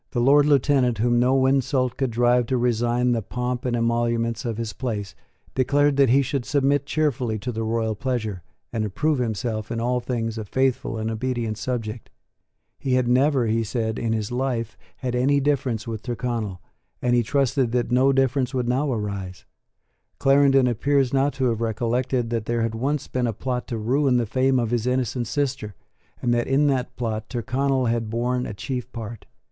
The Lord Lieutenant, whom no insult could drive to resign the pomp and emoluments of his place, declared that he should submit cheerfully to the royal pleasure, and approve himself in all things a faithful and obedient subject. He had never, he said, in his life, had any difference with Tyrconnel, and he trusted that no difference would now arise. Clarendon appears not to have recollected that there had once been a plot to ruin the fame of his innocent sister, and that in that plot Tyrconnel had borne a chief part.